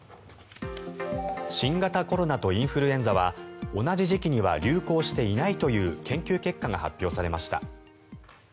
新型コロナとインフルエンザは同じ時期には流行していないという研究結果が発表されました。